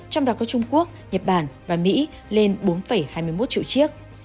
trong đó có trung quốc nhật bản và mỹ lên bốn hai mươi một triệu chiếc